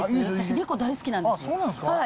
猫大好きなんです。